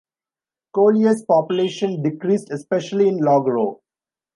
Colliers' population decreased, especially in Logrow.